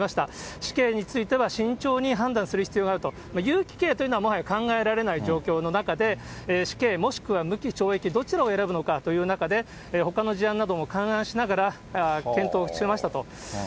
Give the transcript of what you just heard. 死刑については慎重に判断する必要があると、有期刑というのは、もはや考えられない状況の中で、死刑、もしくは無期懲役、どちらを選ぶのかという中で、ほかの事案なども勘案しながら、検討しましたと。